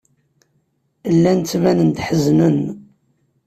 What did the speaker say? Llan ttbanen-d ḥeznen.